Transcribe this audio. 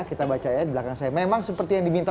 kita baca ya di belakang saya memang seperti yang diminta